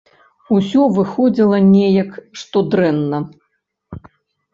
Усё выходзіла неяк, што дрэнна.